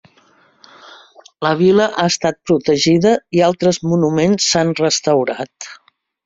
La vila ha estat protegida i altres monuments s'han restaurat.